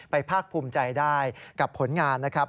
ภาคภูมิใจได้กับผลงานนะครับ